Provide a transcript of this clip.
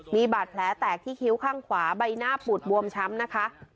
มีบาดแผลแตกที่คิ้วข้างขวาใบหน้าปูดบวมช้ำนะคะ